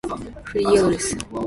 フリーアドレス